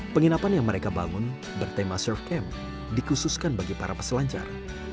penginapan yang mereka bangun bertema surf camp dikhususkan bagi para peselancar